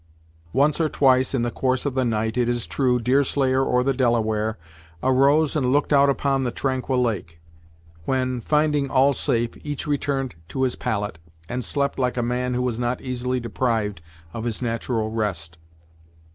Once, or twice, in the course of the night, it is true, Deerslayer or the Delaware, arose and looked out upon the tranquil lake; when, finding all safe, each returned to his pallet, and slept like a man who was not easily deprived of his natural rest.